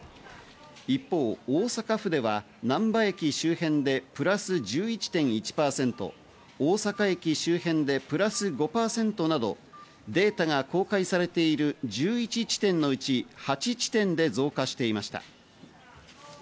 一方、大阪府ではなんば駅周辺でプラス１１．１％、大阪駅周辺でプラス５％などデータが公開されている１１地点のうち８地点で増加していました。